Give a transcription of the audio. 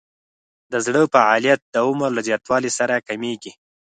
د زړه فعالیت د عمر له زیاتوالي سره کمیږي.